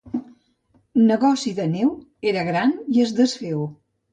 Negoci de neu, era gran i es desfeu.